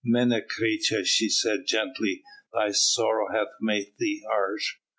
"Menecreta," she said gently, "thy sorrow hath made thee harsh.